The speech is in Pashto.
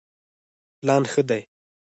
پلان ښه دی.